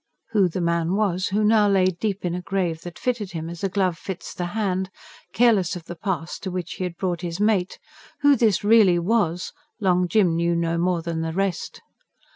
Who the man was, who now lay deep in a grave that fitted him as a glove fits the hand, careless of the pass to which he had brought his mate; who this really was, Long Jim knew no more than the rest.